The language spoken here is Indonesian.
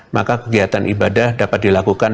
maka kegiatan ibadah dapat dilakukan